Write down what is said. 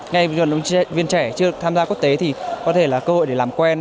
ngay gần lúc viên trẻ chưa tham gia quốc tế thì có thể là cơ hội để làm quen